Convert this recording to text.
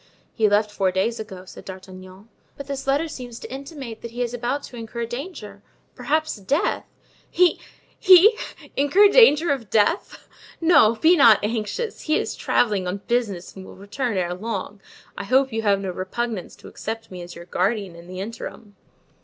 "He left four days ago," said D'Artagnan. "But this letter seems to intimate that he is about to incur danger, perhaps death." "He—he—incur danger of death! No, be not anxious; he is traveling on business and will return ere long. I hope you have no repugnance to accept me as your guardian in the interim."